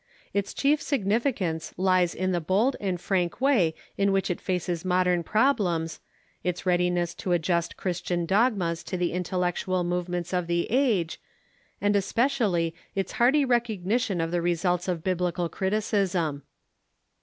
Its chief significance lies in the bold and frank way in which it faces modern problems, its readiness to adjust Christian dog mas to the intellectual movements of the age, and especially its hearty recognition of the results of biblical criticism.